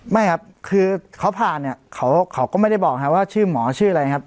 ไม่ครับคือเขาผ่านเนี่ยเขาก็ไม่ได้บอกนะครับว่าชื่อหมอชื่ออะไรครับ